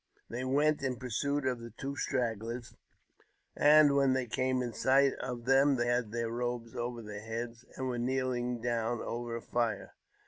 They went in " pursuit of the two stragglers, and when they came in sight of them they had their robes over their heads, and were kneeling down over a fire.